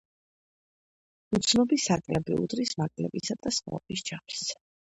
უცნობი საკლები უდრის მაკლებისა და სხვაობის ჯამს.